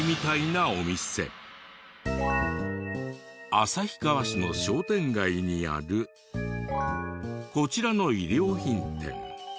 旭川市の商店街にあるこちらの衣料品店。